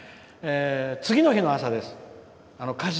「次の日の朝です。